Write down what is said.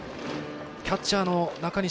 キャッチャーの中西